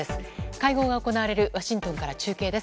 会合が行われるワシントンから中継です。